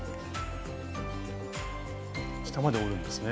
下まで折るんですね。